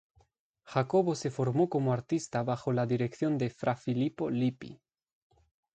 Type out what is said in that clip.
Jacobo se formó como artista bajo la dirección de Fra Filippo Lippi.